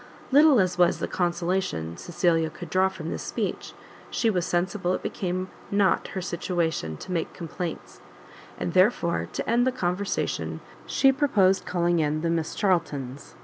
Little as was the consolation Cecilia could draw from this speech, she was sensible it became not her situation to make complaints, and therefore, to end the conversation she proposed calling in the Miss Charltons.